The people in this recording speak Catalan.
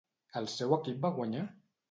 El seu equip va guanyar?